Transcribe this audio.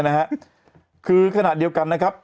อันนี้คือขนาดเดียวกันนะครับ